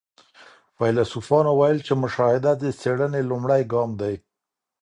فيلسوفانو ويل چي مشاهده د څېړنې لومړی ګام دی.